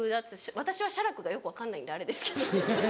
私は写楽がよく分かんないんであれですけど。